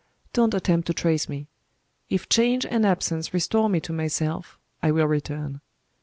Don't attempt to trace me. If change and absence restore me to myself I will return.